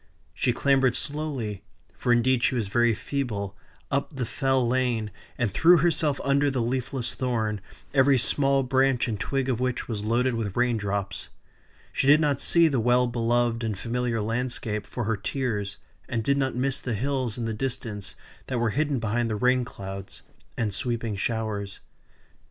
She clambered slowly (for indeed she was very feeble) up the Fell Lane, and threw herself under the leafless thorn, every small branch and twig of which was loaded with rain drops. She did not see the well beloved and familiar landscape for her tears, and did not miss the hills in the distance that were hidden behind the rain clouds, and sweeping showers.